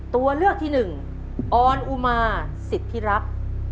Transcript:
ตัวเลือกที่๑ออนอุมาสิทธิรัก